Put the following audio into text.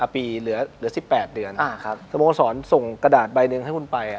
ปีเหลือ๑๘เดือนสโมสรส่งกระดาษใบหนึ่งให้คุณไป